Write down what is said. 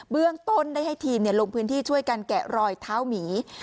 เบื้องต้นได้ให้ทีมลงพื้นที่ช่วยกันแกะรอยเท้าหมี